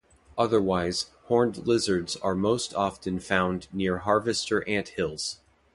Otherwise, horned lizards are most often found near harvester ant hills.